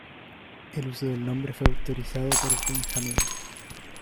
El uso del nombre fue autorizado por Benjamin.